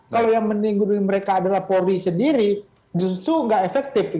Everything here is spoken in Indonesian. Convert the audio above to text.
kalau yang meninggal mereka adalah polri sendiri justru nggak efektif